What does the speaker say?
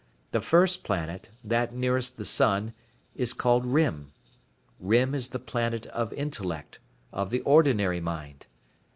The first planet, that nearest the sun, is called Rym. Rym is the planet of intellect, of the ordinary mind.